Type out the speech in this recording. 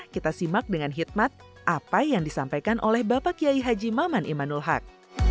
kita simak dengan hikmat apa yang disampaikan oleh bapak kiai haji maman imanul haq